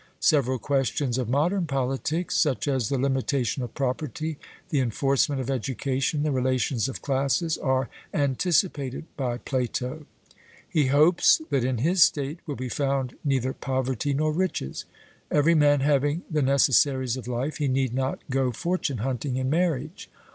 Several questions of modern politics, such as the limitation of property, the enforcement of education, the relations of classes, are anticipated by Plato. He hopes that in his state will be found neither poverty nor riches; every man having the necessaries of life, he need not go fortune hunting in marriage.